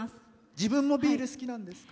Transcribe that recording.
自分もビール好きなんですか？